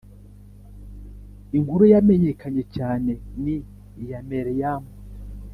inkuru yamenyakanye cyane ni iya meriam